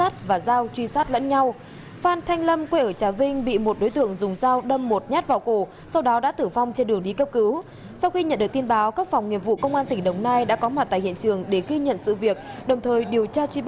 các bạn hãy đăng ký kênh để ủng hộ kênh của chúng mình nhé